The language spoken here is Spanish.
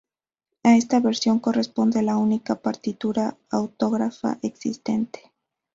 A esta versión corresponde la única partitura autógrafa existente.